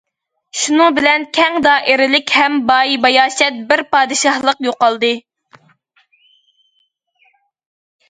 شۇنىڭ بىلەن، كەڭ دائىرىلىك ھەم باي- باياشات بىر پادىشاھلىق يوقالدى.